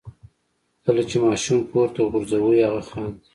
کله چې ماشوم پورته غورځوئ هغه خاندي.